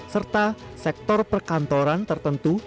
serta sektor perkantoran tertentu